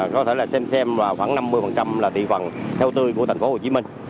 có thể là xem xem khoảng năm mươi là thị phần theo tươi của thành phố hồ chí minh